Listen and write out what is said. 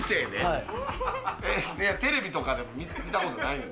テレビとかでも見たことないの？